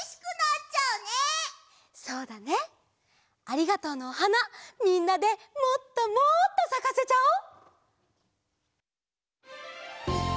ありがとうのおはなみんなでもっともっとさかせちゃおう！